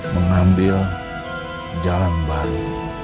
mengambil jalan baru